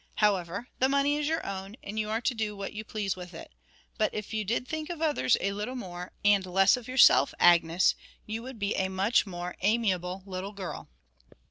However, the money is your own, and you are to do what you please with it. But if you did think of others a little more, and less of yourself, Agnes, you would be a much more amiable little girl.'